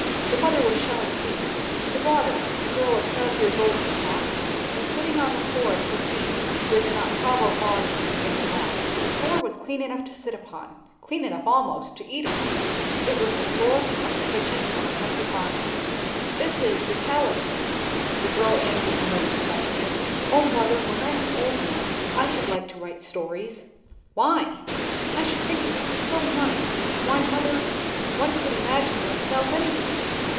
The mother was shelling peas; the daughter, a girl of twelve years old perhaps, was sitting on the floor at her feet, with an octavo volume in her lap. The floor was clean enough to sit upon; clean enough almost to eat off; it was the floor of the kitchen of a country farmhouse. "This is the 'Talisman,'" the girl answered her mother's question. "O mother, when I am old enough, I should like to write stories!" "Why?" "I should think it would be so nice. Why, mother, one could imagine oneself anything."